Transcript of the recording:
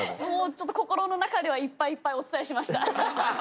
もうちょっと心の中ではいっぱいいっぱいお伝えしました。